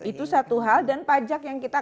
itu satu hal dan pajak yang kita